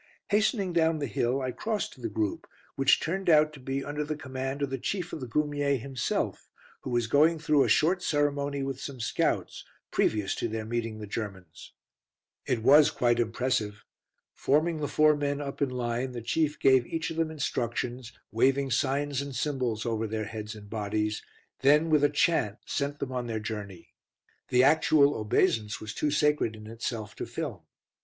Hastening down the hill, I crossed to the group, which turned out to be under the command of the Chief of the Goumiers himself, who was going through a short ceremony with some scouts, previous to their meeting the Germans. It was quite impressive. Forming the four men up in line, the Chief gave each of them instructions, waving signs and symbols over their heads and bodies, then with a chant sent them on their journey. The actual obeisance was too sacred in itself to film.